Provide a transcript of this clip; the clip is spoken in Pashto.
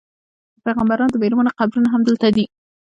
د پیغمبرانو د میرمنو قبرونه هم دلته دي.